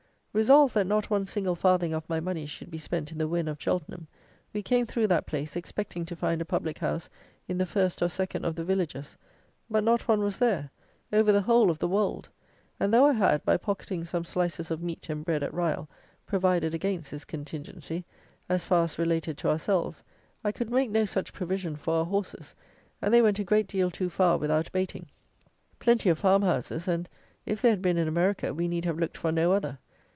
Resolved that not one single farthing of my money should be spent in the Wen of Cheltenham, we came through that place, expecting to find a public house in the first or second of the villages; but not one was there, over the whole of the Wold; and though I had, by pocketing some slices of meat and bread at Ryall, provided against this contingency, as far as related to ourselves, I could make no such provision for our horses, and they went a great deal too far without baiting. Plenty of farm houses, and, if they had been in America, we need have looked for no other.